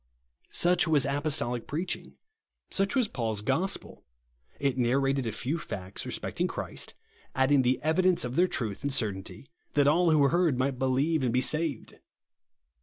Such was apostolic preaching. Such was Paul's gospel. It narrated a few facts re specting Christ ; adding the evidence of their truth and certainty, that all who heard might believe and be saved.